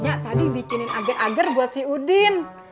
nyak tadi bikinin agar agar buat si udin